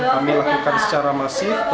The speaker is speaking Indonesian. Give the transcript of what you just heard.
kami lakukan secara masif